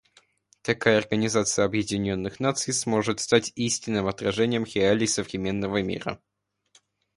Такая Организация Объединенных Наций сможет стать истинным отражением реалий современного мира.